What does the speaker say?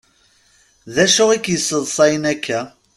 D acu i k-yesseḍsayen akka?